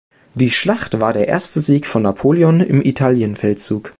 Die Schlacht war der erste Sieg von Napoleon im Italienfeldzug.